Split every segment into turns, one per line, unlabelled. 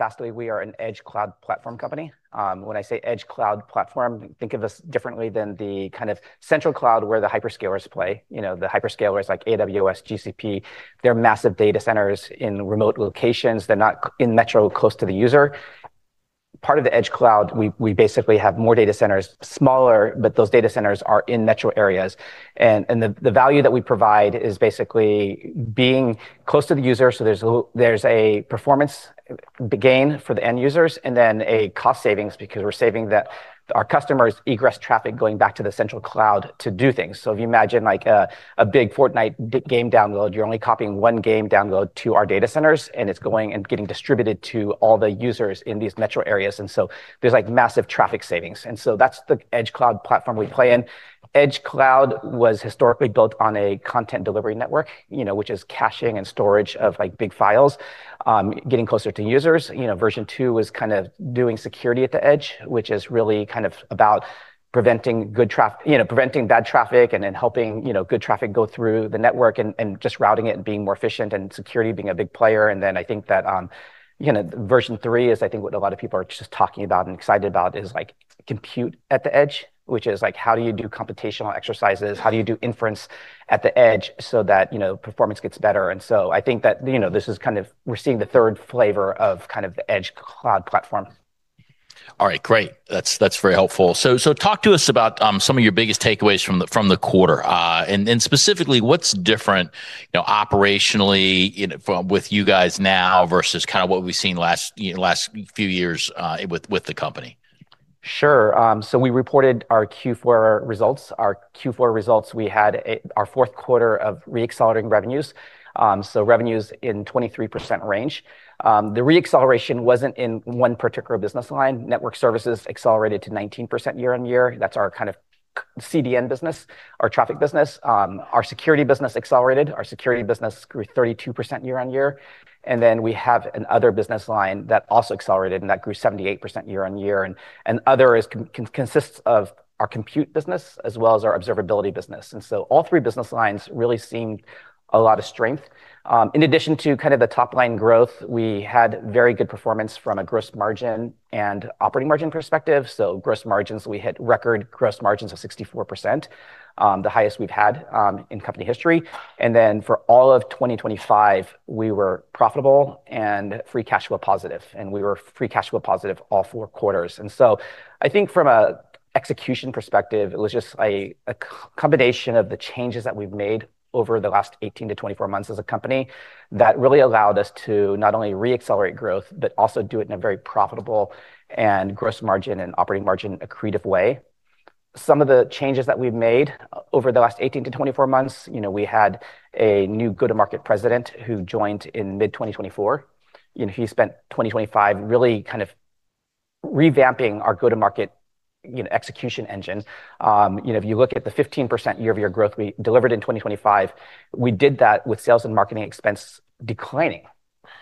Fastly, we are an edge cloud platform company. When I say edge cloud platform, think of us differently than the kind of central cloud where the hyperscalers play. You know, the hyperscalers like AWS, GCP. They're massive data centers in remote locations. They're not in metro, close to the user. Part of the edge cloud, we basically have more data centers, smaller, but those data centers are in metro areas. The value that we provide is basically being close to the user, so there's a performance gain for the end users, and then a cost savings because we're saving the, our customers' egress traffic going back to the central cloud to do things. If you imagine, like a big Fortnite game download, you're only copying one game download to our data centers, and it's going and getting distributed to all the users in these metro areas. There's, like, massive traffic savings. That's the edge cloud platform we play in. Edge cloud was historically built on a content delivery network, you know, which is caching and storage of, like, big files, getting closer to users. You know, version two was kind of doing security at the edge, which is really kind of about preventing bad traffic and then helping, you know, good traffic go through the network and just routing it and being more efficient and security being a big player. I think that, you know, version three is I think what a lot of people are just talking about and excited about is, like, compute at the edge. Which is, like, how do you do computational exercises, how do you do Inference at the edge so that, you know, performance gets better. I think that, you know, this is kind of we're seeing the third flavor of kind of the edge cloud platform.
All right. Great. That's very helpful. Talk to us about some of your biggest takeaways from the quarter. Specifically what's different, you know, operationally, you know, with you guys now versus kind of what we've seen last, you know, last few years with the company.
Sure. We reported our Q4 results. Our Q4 results, we had our fourth quarter of re-accelerating revenues. Revenues in 23% range. The re-acceleration wasn't in one particular business line. Network services accelerated to 19% year-on-year. That's our kind of CDN business, our traffic business. Our security business accelerated. Our security business grew 32% year-on-year. We have an other business line that also accelerated, and that grew 78% year-on-year. Other consists of our compute business as well as our observability business. All three business lines really seen a lot of strength. In addition to kind of the top line growth, we had very good performance from a gross margin and operating margin perspective. Gross margins, we hit record gross margins of 64%, the highest we've had in company history. For all of 2025, we were profitable and free cash flow positive, and we were free cash flow positive all 4 quarters. I think from an execution perspective, it was just a combination of the changes that we've made over the last 18-24 months as a company that really allowed us to not only re-accelerate growth, but also do it in a very profitable and gross margin and operating margin accretive way. Some of the changes that we've made over the last 18-24 months, you know, we had a new go-to-market president who joined in mid 2024. You know, he spent 2025 really kind of revamping our go-to-market, you know, execution engine. You know, if you look at the 15% year-over-year growth we delivered in 2025, we did that with sales and marketing expense declining.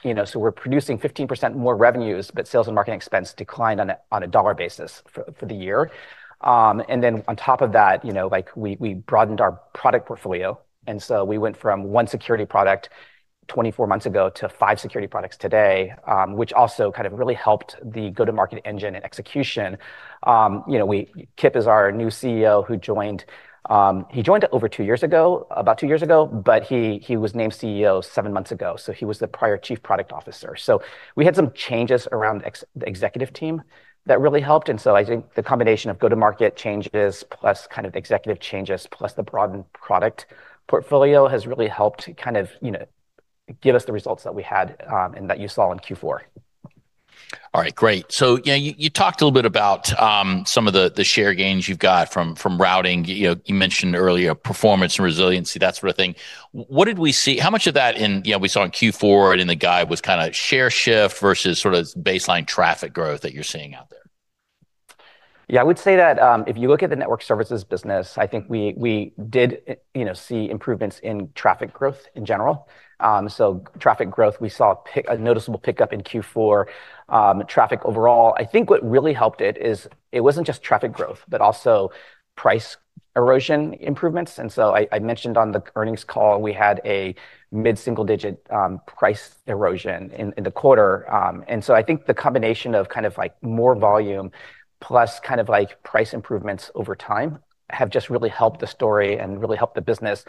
You know, we're producing 15% more revenues, but sales and marketing expense declined on a dollar basis for the year. On top of that, you know, like we broadened our product portfolio. We went from one security product 24 months ago to five security products today, which also kind of really helped the go-to-market engine and execution. You know, Kip is our new CEO who joined, he joined over two years ago, about two years ago, but he was named CEO seven months ago, so he was the prior Chief Product Officer. We had some changes around the Executive team that really helped. I think the combination of go-to-market changes plus kind of executive changes, plus the broadened product portfolio has really helped kind of, you know, give us the results that we had, and that you saw in Q4.
All right. Great. Yeah, you talked a little bit about some of the share gains you've got from routing. You know, you mentioned earlier performance and resiliency, that sort of thing. How much of that in, you know, we saw in Q4 and in the guide was kinda share shift versus sorta baseline traffic growth that you're seeing out there?
Yeah. I would say that, if you look at the network services business, I think we did, you know, see improvements in traffic growth in general. Traffic growth, we saw a noticeable pickup in Q4 traffic overall. I think what really helped it is it wasn't just traffic growth, but also price erosion improvements. I mentioned on the earnings call we had a mid-single-digit price erosion in the quarter. I think the combination of kind of, like, more volume plus kind of, like, price improvements over time have just really helped the story and really helped the business.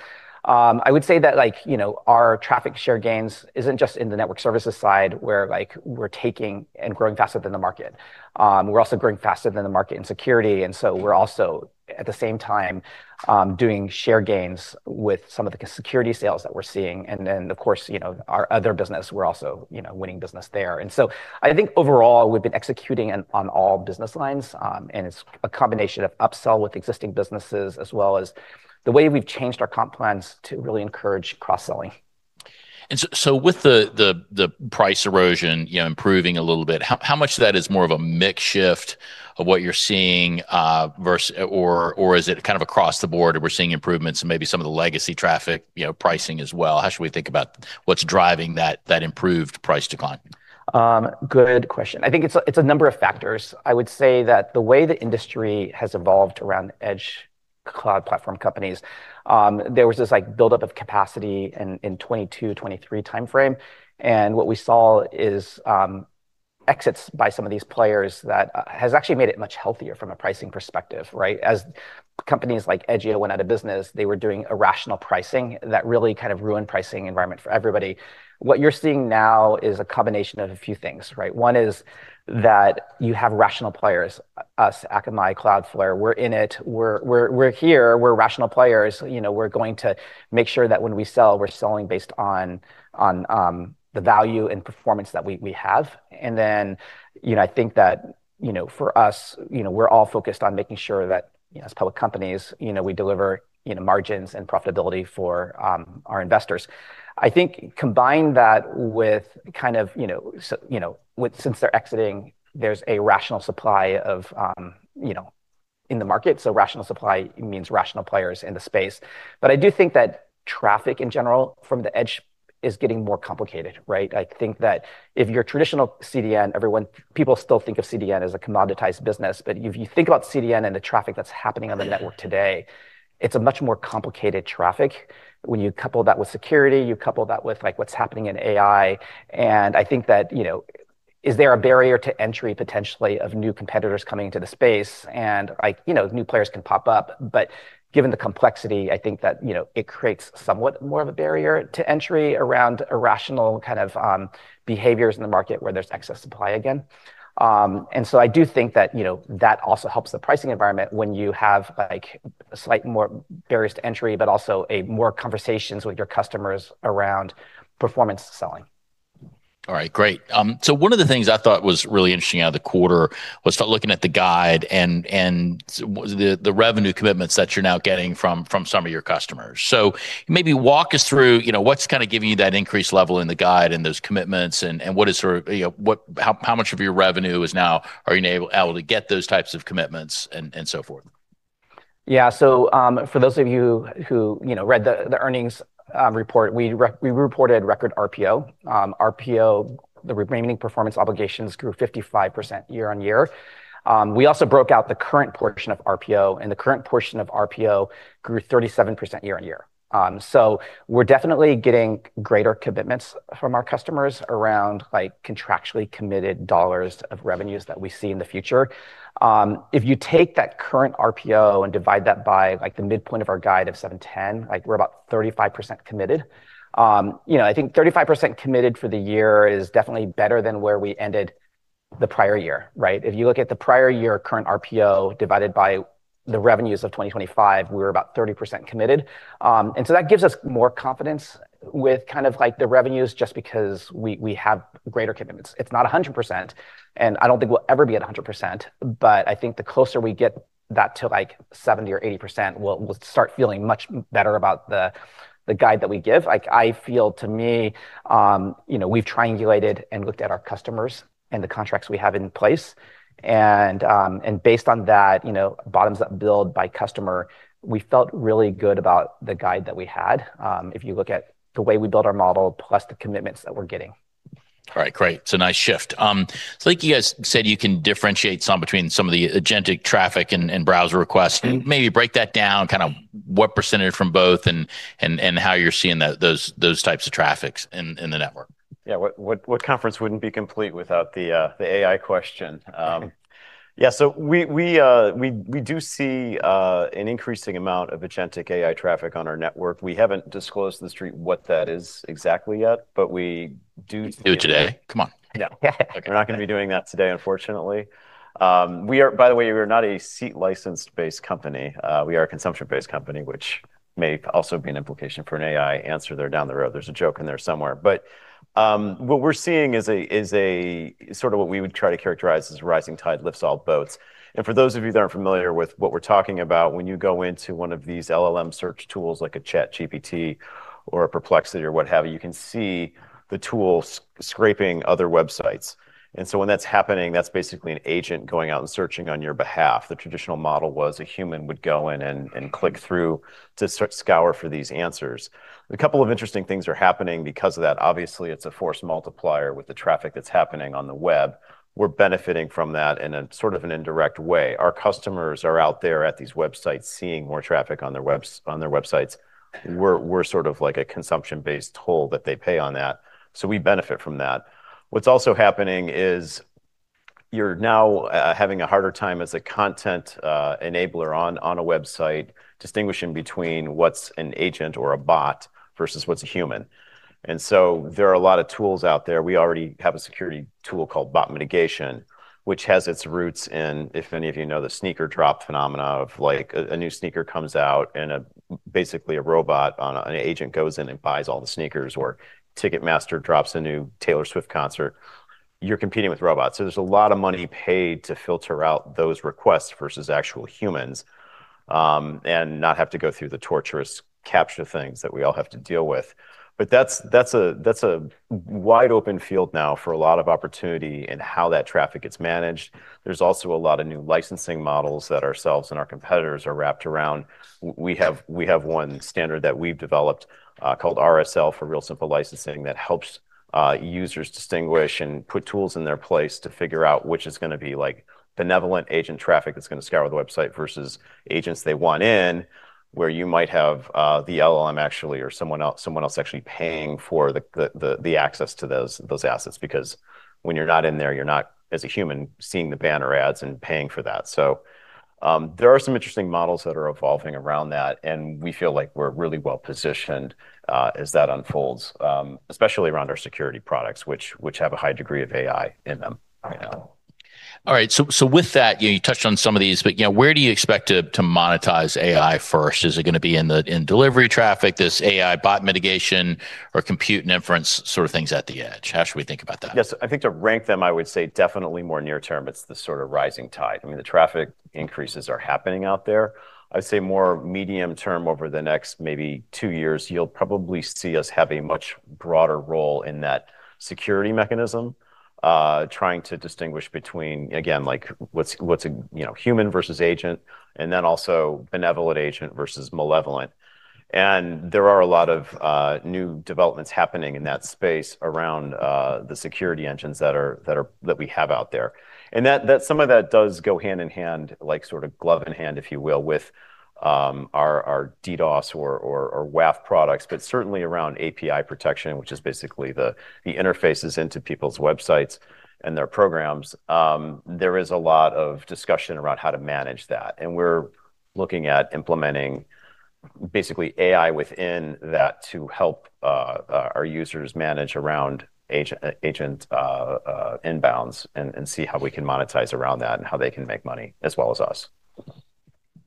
I would say that, like, you know, our traffic share gains isn't just in the network services side where, like, we're taking and growing faster than the market. We're also growing faster than the market in security. We're also at the same time, doing share gains with some of the security sales that we're seeing. Then, of course, you know, our other business, we're also, you know, winning business there. I think overall we've been executing on all business lines. It's a combination of upsell with existing businesses as well as the way we've changed our comp plans to really encourage cross-selling.
So with the price erosion, you know, improving a little bit, how much of that is more of a mix shift of what you're seeing, versus or is it kind of across the board and we're seeing improvements in maybe some of the legacy traffic, you know, pricing as well? How should we think about what's driving that improved price decline?
Good question. I think it's a, it's a number of factors. I would say that the way the industry has evolved around the edge cloud platform companies. There was this, like, buildup of capacity in 2022, 2023 timeframe, and what we saw is, exits by some of these players that has actually made it much healthier from a pricing perspective, right? As companies like Edgio went out of business, they were doing irrational pricing that really kind of ruined pricing environment for everybody. What you're seeing now is a combination of a few things, right? One is that you have rational players. Us, Akamai, Cloudflare, we're in it. We're here. We're rational players. You know, we're going to make sure that when we sell, we're selling based on, the value and performance that we have. you know, I think that you know, for us, you know, we're all focused on making sure that, you know, as public companies, you know, we deliver, you know, margins and profitability for our investors. I think combine that with kind of, you know, since they're exiting, there's a rational supply of, you know, in the market. Rational supply means rational players in the space. I do think that traffic in general from the edge is getting more complicated, right? I think that if your traditional CDN, people still think of CDN as a commoditized business. If you think about CDN and the traffic that's happening on the network today, it's a much more complicated traffic. When you couple that with security, you couple that with, like, what's happening in AI. I think that, you know, is there a barrier to entry potentially of new competitors coming into the space? You know, new players can pop up. Given the complexity, I think that, you know, it creates somewhat more of a barrier to entry around irrational kind of behaviors in the market where there's excess supply again. I do think that, you know, that also helps the pricing environment when you have, like, a slight more barriers to entry, but also a more conversations with your customers around performance selling.
All right, great. One of the things I thought was really interesting out of the quarter was start looking at the guide and, the revenue commitments that you're now getting from some of your customers. Maybe walk us through, you know, what's kinda giving you that increased level in the guide and those commitments and what is sort of, you know, how much of your revenue is now are you now able to get those types of commitments and so forth?
Yeah. For those of you who, you know, read the earnings report, we reported record RPO. RPO, the Remaining Performance Obligations grew 55% year-on-year. We also broke out the current portion of RPO, and the current portion of RPO grew 37% year-on-year. We're definitely getting greater commitments from our customers around, like, contractually committed dollars of revenues that we see in the future. If you take that current RPO and divide that by, like, the midpoint of our guide of $710, like, we're about 35% committed. You know, I think 35% committed for the year is definitely better than where we ended the prior year, right? If you look at the prior year current RPO divided by the revenues of 2025, we're about 30% committed. That gives us more confidence with kind of, like, the revenues just because we have greater commitments. It's not 100%, and I don't think we'll ever be at 100%, but I think the closer we get that to, like, 70% or 80%, we'll start feeling much better about the guide that we give. I feel, to me, you know, we've triangulated and looked at our customers and the contracts we have in place, and, based on that, you know, bottoms-up build by customer, we felt really good about the guide that we had, if you look at the way we build our model plus the commitments that we're getting.
All right, great. It's a nice shift. It's like you guys said you can differentiate some between some of the agentic traffic and browser requests.
Mm-hmm.
Maybe break that down, kind of what percentage from both and how you're seeing that those types of traffics in the network.
Yeah. What conference wouldn't be complete without the AI question? Yeah, we do see an increasing amount of agentic AI traffic on our network. We haven't disclosed to the street what that is exactly yet, but we do-
Do it today. Come on.
No. We're not gonna be doing that today, unfortunately. By the way, we're not a seat licensed-based company. We are a consumption-based company, which may also be an implication for an AI answer there down the road. There's a joke in there somewhere. What we're seeing is a sort of what we would try to characterize as rising tide lifts all boats. For those of you that aren't familiar with what we're talking about, when you go into one of these LLM search tools like a ChatGPT or a Perplexity AI or what have you can see the tool scraping other websites. When that's happening, that's basically an agent going out and searching on your behalf. The traditional model was a human would go in and click through to scour for these answers. A couple of interesting things are happening because of that. Obviously, it's a force multiplier with the traffic that's happening on the web. We're benefiting from that in a sort of an indirect way. Our customers are out there at these websites seeing more traffic on their websites. We're sort of like a consumption-based toll that they pay on that, so we benefit from that. What's also happening is you're now having a harder time as a content enabler on a website distinguishing between what's an agent or a bot versus what's a human. There are a lot of tools out there. We already have a security tool called Bot Mitigation, which has its roots in, if any of you know the sneaker drop phenomena of, like, a new sneaker comes out and basically a robot, an agent goes in and buys all the sneakers, or Ticketmaster drops a new Taylor Swift concert. You're competing with robots. There's a lot of money paid to filter out those requests versus actual humans, and not have to go through the torturous CAPTCHA things that we all have to deal with. That's a wide open field now for a lot of opportunity in how that traffic gets managed. There's also a lot of new licensing models that ourselves and our competitors are wrapped around. We have, we have one standard that we've developed, called RSL for Real Simple Licensing that helps users distinguish and put tools in their place to figure out which is gonna be like benevolent agent traffic that's gonna scour the website versus agents they want in, where you might have the LLM actually or someone else actually paying for the access to those assets, because when you're not in there, you're not as a human seeing the banner ads and paying for that. There are some interesting models that are evolving around that, and we feel like we're really well positioned as that unfolds, especially around our security products, which have a high degree of AI in them right now.
All right. With that, you touched on some of these, but, you know, where do you expect to monetize AI first? Is it going to be in delivery traffic, this AI bot mitigation or compute and inference sort of things at the edge? How should we think about that?
Yes. I think to rank them, I would say definitely more near term, it's the sort of rising tide. I mean, the traffic increases are happening out there. I'd say more medium term over the next maybe two years, you'll probably see us have a much broader role in that security mechanism, trying to distinguish between, again, like what's, you know, human versus agent, and then also benevolent agent versus malevolent. There are a lot of new developments happening in that space around the security engines that we have out there. That some of that does go hand in hand, like sort of glove in hand, if you will, with our DDoS or WAF products. Certainly around API protection, which is basically the interfaces into people's websites and their programs, there is a lot of discussion around how to manage that. We're looking at implementing basically AI within that to help our users manage around agentic inbounds and see how we can monetize around that and how they can make money as well as us.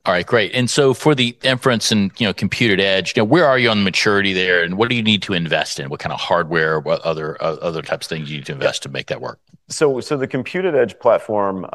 All right, great. For the inference and, you know, computed edge, you know, where are you on maturity there, and what do you need to invest in? What kind of hardware, what other types of things do you need to invest to make that work?
The computed edge platform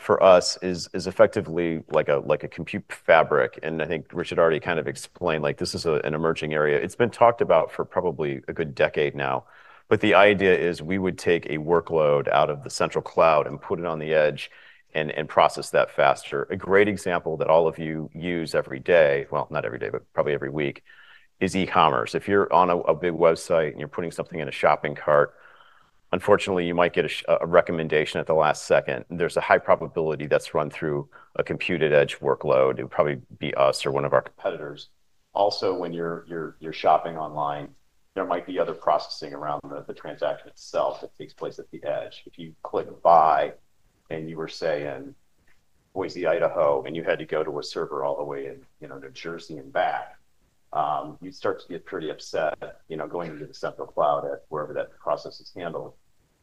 for us is effectively like a compute fabric. I think Richard already kind of explained, like this is an emerging area. It's been talked about for probably a good decade now. The idea is we would take a workload out of the central cloud and put it on the edge and process that faster. A great example that all of you use every day, well, not every day, but probably every week, is e-commerce. If you're on a big website and you're putting something in a shopping cart, unfortunately, you might get a recommendation at the last second. There's a high probability that's run through a computed edge workload. It would probably be us or one of our competitors. Also, when you're shopping online, there might be other processing around the transaction itself that takes place at the edge. If you click buy and you were, say, in Boise, Idaho, and you had to go to a server all the way in, you know, New Jersey and back, you'd start to get pretty upset, you know, going into the central cloud at wherever that process is handled.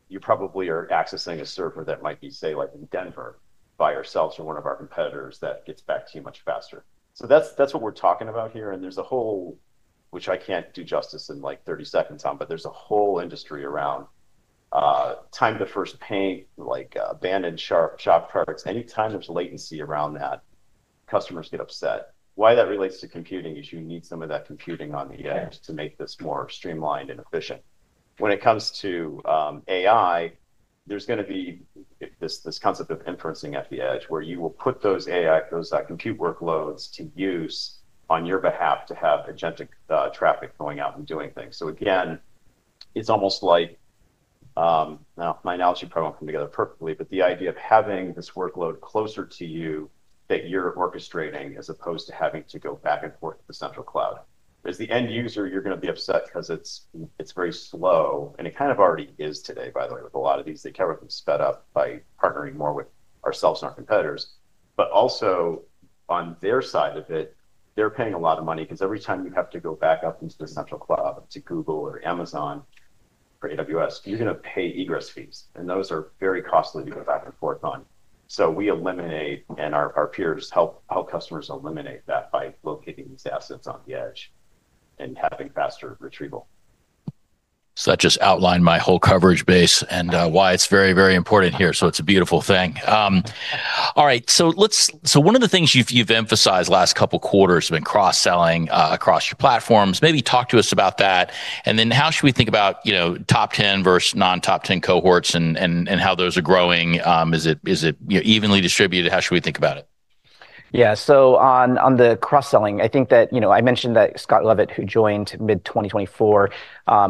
You probably are accessing a server that might be, say, like in Denver by ourselves or one of our competitors that gets back to you much faster. That's what we're talking about here. There's a whole, which I can't do justice in like 30 seconds on, but there's a whole industry around Time to First Paint, like abandoned shop carts. Any time there's latency around that, customers get upset. Why that relates to computing is you need some of that computing on the edge to make this more streamlined and efficient. When it comes to AI, there's gonna be this concept of Inference at the edge, where you will put those AI, those compute workloads to use on your behalf to have agentic traffic going out and doing things. Again, it's almost like, now my analogy probably won't come together perfectly, but the idea of having this workload closer to you that you're orchestrating as opposed to having to go back and forth to the central cloud. As the end user, you're gonna be upset 'cause it's very slow, and it kind of already is today, by the way, with a lot of these. They can probably be sped up by partnering more with ourselves and our competitors. Also on their side of it, they're paying a lot of money 'cause every time you have to go back up into the central cloud to Google or Amazon or AWS, you're gonna pay egress fees, and those are very costly to go back and forth on. We eliminate, and our peers help customers eliminate that by locating these assets on the edge and having faster retrieval.
That just outlined my whole coverage base and why it's very, very important here, so it's a beautiful thing. All right. One of the things you've emphasized last couple quarters has been cross-selling across your platforms. Maybe talk to us about that, and then how should we think about, you know, top 10 versus non-top 10 cohorts and how those are growing? Is it, you know, evenly distributed? How should we think about it?
On the cross-selling, I think that, you know, I mentioned that Scott Lovett, who joined mid-2024,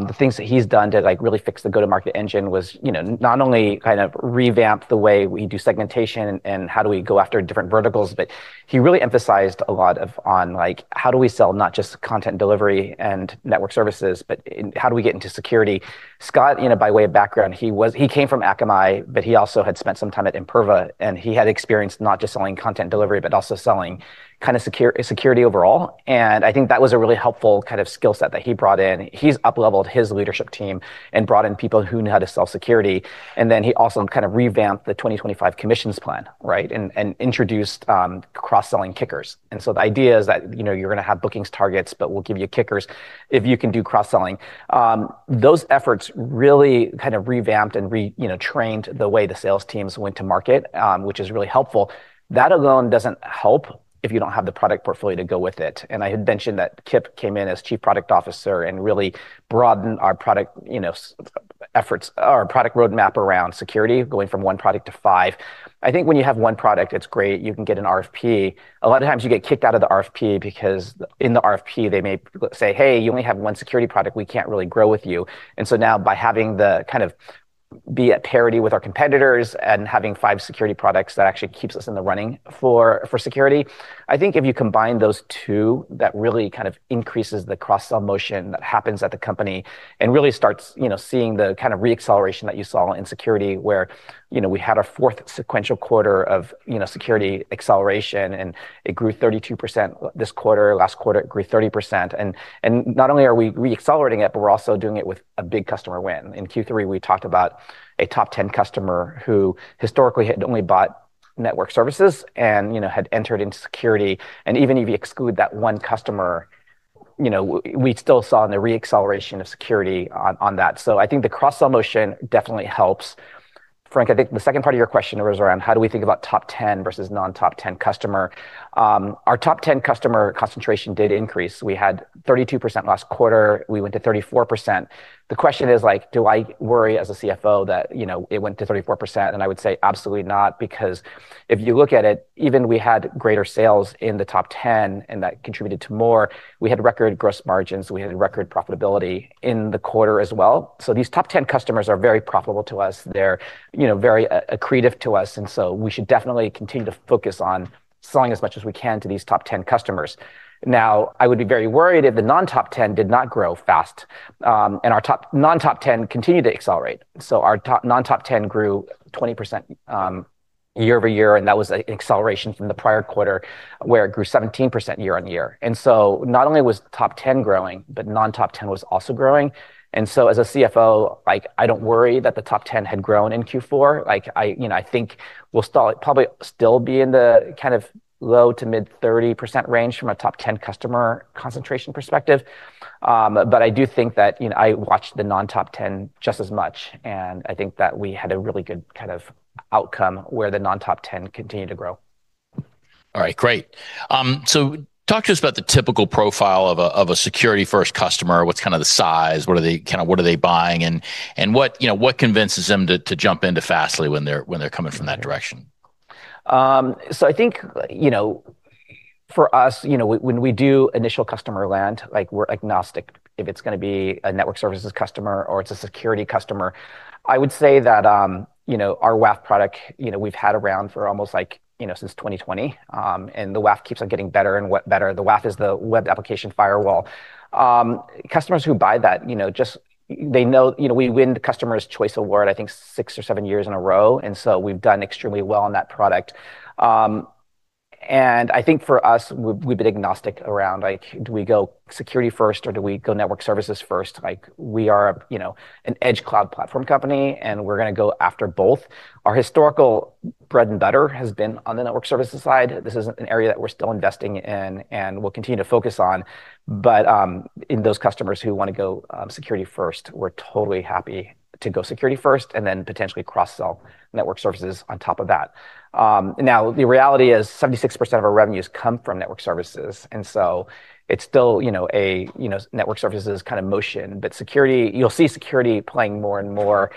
the things that he's done to, like, really fix the go-to-market engine was, you know, not only kind of revamp the way we do segmentation and how do we go after different verticals, but he really emphasized a lot of on, like, how do we sell not just content delivery and network services, but how do we get into security? Scott, you know, by way of background, he came from Akamai, but he also had spent some time at Imperva, and he had experience not just selling content delivery, but also selling kinda security overall. I think that was a really helpful kind of skill set that he brought in. He's upleveled his leadership team and brought in people who know how to sell security. He also kind of revamped the 2025 commissions plan, right, and introduced, cross-selling kickers. The idea is that, you know, you're gonna have bookings targets, but we'll give you kickers if you can do cross-selling. Those efforts really kind of revamped and trained the way the sales teams went to market, which is really helpful. That alone doesn't help if you don't have the product portfolio to go with it. I had mentioned that Kip came in as Chief Product Officer and really broadened our product, you know, efforts, our product roadmap around security, going from one product to five. I think when you have one product, it's great. You can get an RFP. A lot of times you get kicked out of the RFP because in the RFP, they may say, "Hey, you only have one security product. We can't really grow with you." Now by having the kind of be at parity with our competitors and having five security products, that actually keeps us in the running for security. I think if you combine those two, that really kind of increases the cross-sell motion that happens at the company and really starts, you know, seeing the kind of re-acceleration that you saw in security, where, you know, we had our fourth sequential quarter of, you know, security acceleration, and it grew 32% this quarter. Last quarter, it grew 30%. Not only are we re-accelerating it, but we're also doing it with a big customer win. In Q3, we talked about a top 10 customer who historically had only bought Network services and, you know, had entered into security. Even if you exclude that one customer, you know, we'd still saw in the re-acceleration of security on that. I think the cross-sell motion definitely helps. Frank, I think the second part of your question was around how do we think about top 10 versus non-top-10 customer. Our top 10 customer concentration did increase. We had 32% last quarter, we went to 34%. The question is like, do I worry as a CFO that, you know, it went to 34%? I would say absolutely not, because if you look at it, even we had greater sales in the top 10, and that contributed to more, we had record gross margins, we had record profitability in the quarter as well. These top 10 customers are very profitable to us. They're, you know, very accretive to us, we should definitely continue to focus on selling as much as we can to these top 10 customers. I would be very worried if the non-top 10 did not grow fast. Our non-top 10 continued to accelerate. Our non-top 10 grew 20% year-over-year, and that was an acceleration from the prior quarter where it grew 17% year-on-year. Not only was top 10 growing, but non-top 10 was also growing. As a CFO, like, I don't worry that the top 10 had grown in Q4. I, you know, I think we'll probably still be in the kind of low to mid 30% range from a top 10 customer concentration perspective. I do think that, you know, I watched the non-top 10 just as much, and I think that we had a really good kind of outcome where the non-top 10 continued to grow.
All right, great. Talk to us about the typical profile of a, of a security-first customer. What's kinda the size? What are they buying? What, you know, what convinces them to jump into Fastly when they're, when they're coming from that direction?
I think, you know, for us, you know, when we do initial customer land, like, we're agnostic if it's gonna be a network services customer or it's a security customer. I would say that, you know, our WAF product, you know, we've had around for almost like, you know, since 2020. The WAF keeps on getting better and better. The WAF is the web application firewall. Customers who buy that, you know, just they know. You know, we win the Customer's Choice Award, I think six or seven years in a row, we've done extremely well on that product. I think for us, we've been agnostic around, like, do we go security first or do we go network services first? We are, you know, an edge cloud platform company, we're gonna go after both. Our historical bread and butter has been on the network services side. This is an area that we're still investing in and we'll continue to focus on. In those customers who wanna go security first, we're totally happy to go security first and then potentially cross-sell network services on top of that. Now, the reality is 76% of our revenues come from network services, and so it's still, you know, a, you know, network services kind of motion. Security, you'll see security playing more and more.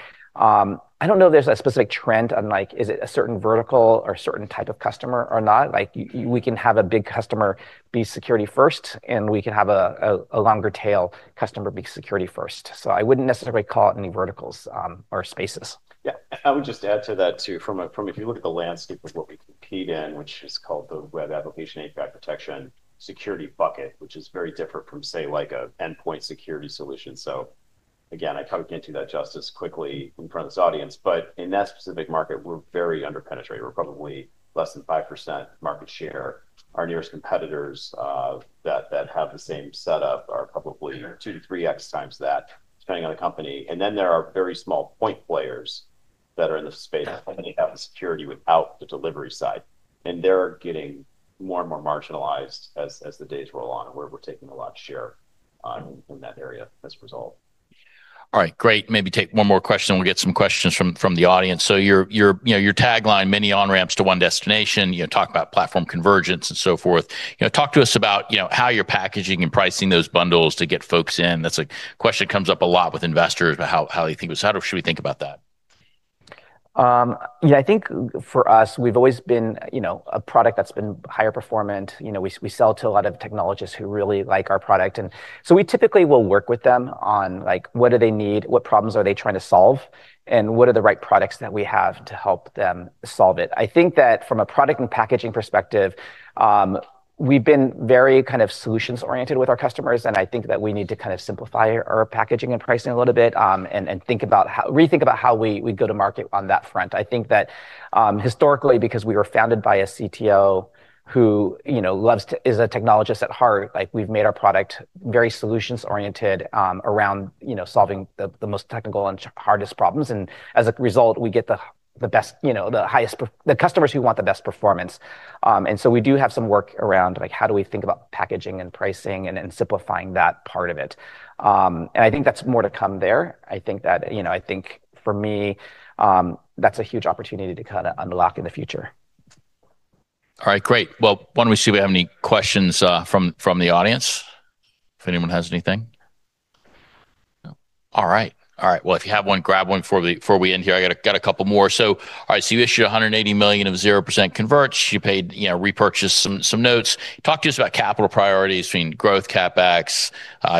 I don't know there's a specific trend on, like, is it a certain vertical or certain type of customer or not. We can have a big customer be security first, and we can have a longer tail customer be security first. I wouldn't necessarily call it any verticals, or spaces.
Yeah. I would just add to that too. If you look at the landscape of what we compete in, which is called the web application API protection security bucket, which is very different from, say, like, an Endpoint security solution. Again, I probably can't do that justice quickly in front of this audience, but in that specific market, we're very under-penetrated. We're probably less than 5% market share. Our nearest competitors that have the same setup are probably 2x-3x times that, depending on the company. There are very small point players that are in the space, only have the security without the delivery side, and they're getting more and more marginalized as the days roll on, and we're taking a lot of share in that area as a result.
All right, great. Maybe take one more question, and we'll get some questions from the audience. Your, you know, your tagline, many on-ramps to one destination, you know, talk about platform convergence and so forth. You know, talk to us about, you know, how you're packaging and pricing those bundles to get folks in. That's a question that comes up a lot with investors, but how you think... How should we think about that?
Yeah, I think for us, we've always been, you know, a product that's been higher performant. You know, we sell to a lot of technologists who really like our product. We typically will work with them on, like, what do they need, what problems are they trying to solve, and what are the right products that we have to help them solve it. I think that from a product and packaging perspective, we've been very kind of solutions-oriented with our customers, and I think that we need to kind of simplify our packaging and pricing a little bit, and rethink about how we go to market on that front. I think that, historically, because we were founded by a CTO who, you know, loves is a technologist at heart, like, we've made our product very solutions-oriented, around, you know, solving the most technical and hardest problems. As a result, we get the best, you know, the highest the customers who want the best performance. We do have some work around, like, how do we think about packaging and pricing and simplifying that part of it. I think that's more to come there. I think that, you know, I think for me, that's a huge opportunity to kinda unlock in the future.
All right, great. Well, why don't we see if we have any questions from the audience, if anyone has anything? No. All right. All right. Well, if you have one, grab one before we end here. I got a couple more. All right. You issued $180 million of 0% converts. You paid, you know, repurchased some notes. Talk to us about capital priorities between growth CapEx,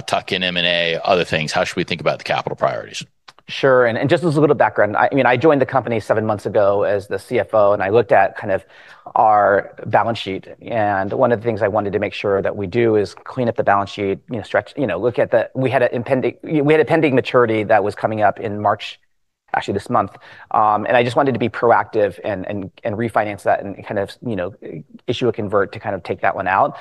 tuck-in M&A, other things. How should we think about the capital priorities?
Sure. Just as a little background, I mean, I joined the company seven months ago as the CFO, and I looked at kind of our balance sheet. One of the things I wanted to make sure that we do is clean up the balance sheet, you know, stretch, you know, look at the pending maturity that was coming up in March, actually this month. I just wanted to be proactive and refinance that and kind of, you know, issue a convert to kind of take that one out.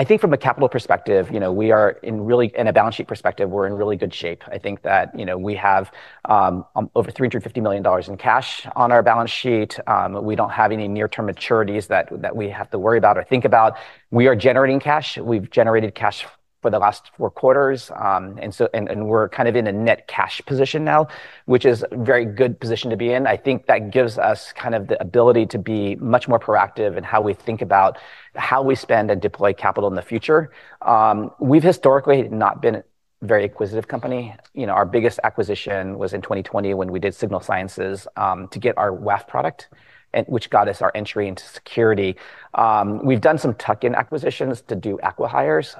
I think from a capital perspective, you know, we are in a balance sheet perspective, we're in really good shape. I think that, you know, we have over $350 million in cash on our balance sheet. We don't have any near-term maturities that we have to worry about or think about. We are generating cash. We've generated cash for the last four quarters. we're kind of in a net cash position now, which is very good position to be in. I think that gives us kind of the ability to be much more proactive in how we think about how we spend and deploy capital in the future. We've historically not been very acquisitive company. You know, our biggest acquisition was in 2020 when we did Signal Sciences to get our WAF product and which got us our entry into security. We've done some tuck-in acquisitions to do acqui-hires.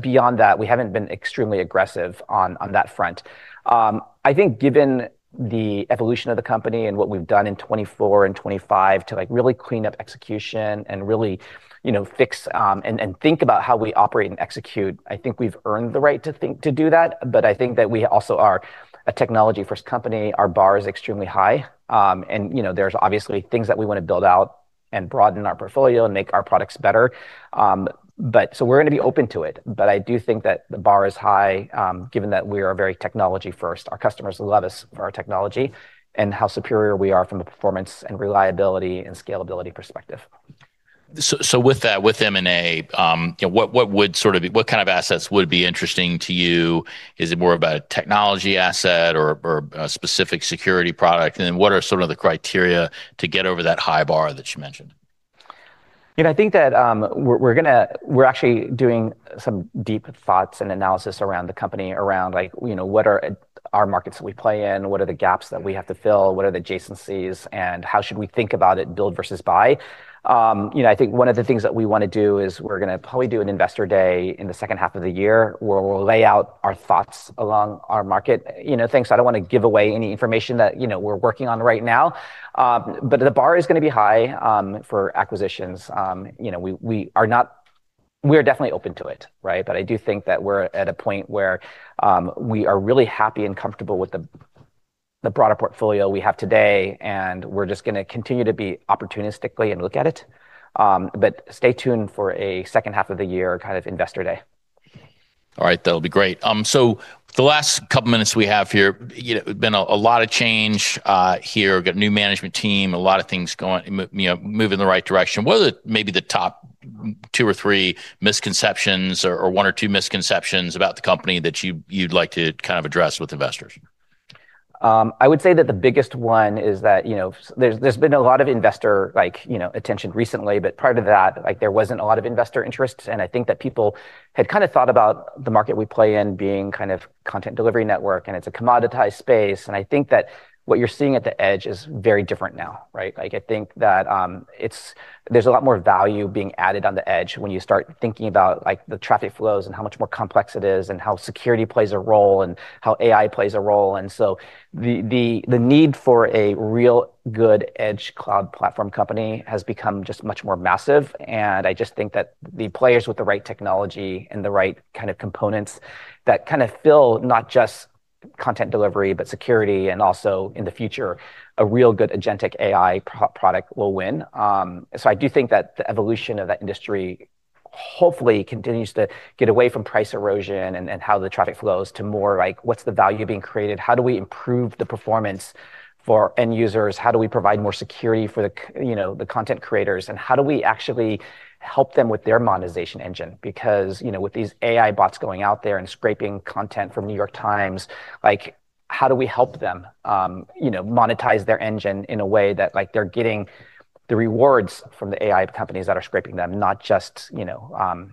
beyond that, we haven't been extremely aggressive on that front. I think given the evolution of the company and what we've done in 2024 and 2025 to, like, really clean up execution and really, you know, fix, and think about how we operate and execute, I think we've earned the right to think to do that. I think that we also are a Technology-first company. Our bar is extremely high. And, you know, there's obviously things that we wanna build out and broaden our portfolio and make our products better. So we're gonna be open to it. I do think that the bar is high, given that we are a very technology-first. Our customers love us for our technology and how superior we are from the performance and reliability and scalability perspective.
With that, with M&A, you know, what kind of assets would be interesting to you? Is it more of a technology asset or a specific security product? What are sort of the criteria to get over that high bar that you mentioned?
You know, I think that we're actually doing some deep thoughts and analysis around the company around, like, you know, what are our markets that we play in? What are the gaps that we have to fill? What are the adjacencies, and how should we think about it build versus buy? You know, I think one of the things that we wanna do is we're gonna probably do an investor day in the second half of the year where we'll lay out our thoughts along our market. You know, thanks, I don't wanna give away any information that, you know, we're working on right now. The bar is gonna be high for acquisitions. You know, we are definitely open to it, right? I do think that we're at a point where we are really happy and comfortable with the broader portfolio we have today, and we're just gonna continue to be opportunistically and look at it. Stay tuned for a second half of the year kind of investor day.
All right. That'll be great. The last couple minutes we have here, you know, been a lot of change here. Got new management team, a lot of things going, you know, move in the right direction. What are the maybe the top two or three misconceptions or one or two misconceptions about the company that you'd like to kind of address with investors?
I would say that the biggest one is that, you know, there's been a lot of investor like, you know, attention recently, but prior to that, like, there wasn't a lot of investor interest. I think that people had kinda thought about the market we play in being kind of content delivery network, and it's a commoditized space. I think that what you're seeing at the edge is very different now, right? Like, I think that, there's a lot more value being added on the edge when you start thinking about, like, the traffic flows and how much more complex it is and how security plays a role and how AI plays a role. The need for a real good edge cloud platform company has become just much more massive, and I just think that the players with the right technology and the right kind of components that kinda fill not just content delivery, but security and also in the future, a real good agentic AI product will win. I do think that the evolution of that industry hopefully continues to get away from price erosion and how the traffic flows to more like. What's the value being created? How do we improve the performance for end users? How do we provide more security for the, you know, the content creators? How do we actually help them with their monetization engine? you know, with these AI bots going out there and scraping content from The New York Times, like how do we help them, you know, monetize their engine in a way that, like, they're getting the rewards from the AI companies that are scraping them, not just, you know,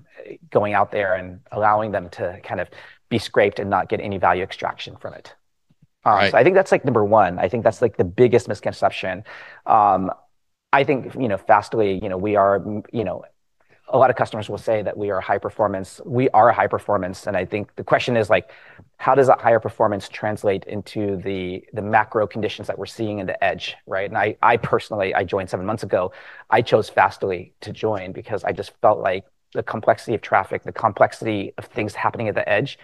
going out there and allowing them to kind of be scraped and not get any value extraction from it.
All right.
I think that's like number one. I think that's like the biggest misconception. I think, you know, Fastly, you know, we are A lot of customers will say that we are high performance. We are a high performance, and I think the question is, like, how does a higher performance translate into the macro conditions that we're seeing in the edge, right? I personally, I joined seven months ago. I chose Fastly to join because I just felt like the complexity of traffic, the complexity of things happening at the edge,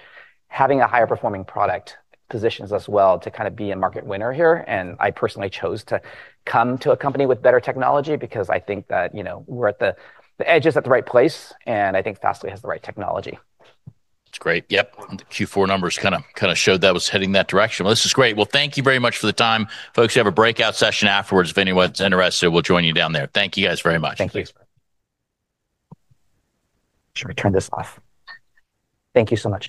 having a higher performing product positions us well to kinda be a market winner here. I personally chose to come to a company with better technology because I think that, you know, the edge is at the right place, and I think Fastly has the right technology.
That's great. Yep. The Q4 numbers kinda showed that was heading that direction. Well, this is great. Well, thank you very much for the time, folks. We have a breakout session afterwards if anyone's interested. We'll join you down there. Thank you guys very much.
Thank you. Should we turn this off? Thank you so much.